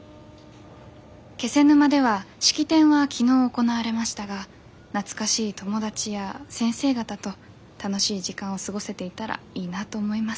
気仙沼では式典は昨日行われましたが懐かしい友達や先生方と楽しい時間を過ごせていたらいいなと思います。